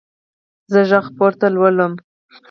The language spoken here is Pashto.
زه غږ پورته لولم.